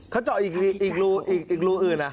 เขาเจาะอีกรูอื่นอะ